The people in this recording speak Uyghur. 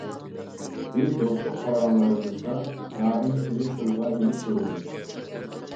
بىز دوستلۇق پاراڭلىرىمىزدا دائىم سېنى تىلغا ئېلىپ تۇرىمىز.